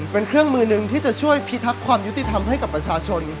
เป็นเครื่องมือหนึ่งที่จะช่วยพิทักษ์ความยุติธรรมให้กับประชาชน